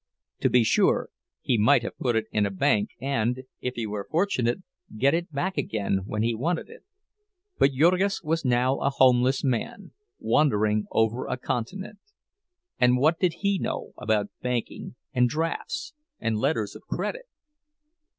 To be sure he might have put it in a bank, and, if he were fortunate, get it back again when he wanted it. But Jurgis was now a homeless man, wandering over a continent; and what did he know about banking and drafts and letters of credit?